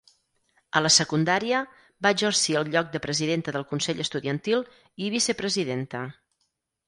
A la secundària, va exercir el lloc de presidenta del consell estudiantil i vicepresidenta.